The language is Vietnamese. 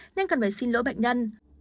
nên cần phải xin lỗi bệnh nhân